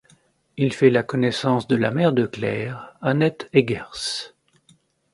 Il fait la connaissance de la mère de Claire, Annette Eggers.